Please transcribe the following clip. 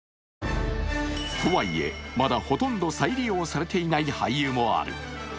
とはいえ、まだほとんど再利用されていない廃油もある。